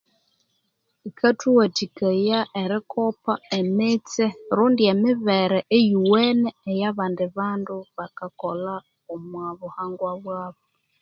Bikathuwathikaya erikopa emitse rundi emibere eyiwene eya bandi bandi bakakolha omwa buhangwa bwabu